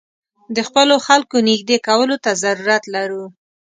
د خپلو خلکو نېږدې کولو ته ضرورت لرو.